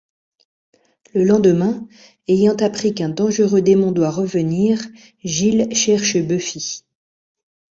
Le lendemain, ayant appris qu'un dangereux démon doit revenir, Giles cherche Buffy.